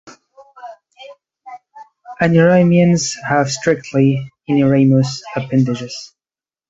Uniramians have strictly uniramous appendages.